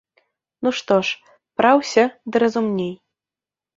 Ну што ж, праўся ды разумней.